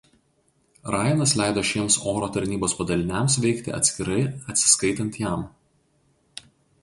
Rajanas leido šiems Oro tarnybos padaliniams veikti atskirai atsiskaitant jam.